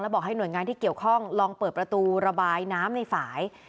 บอกให้หน่วยงานที่เกี่ยวข้องลองเปิดประตูระบายน้ำในฝ่าย